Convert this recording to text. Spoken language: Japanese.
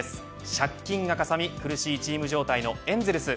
借金がかさみ苦しいチーム状態のエンゼルス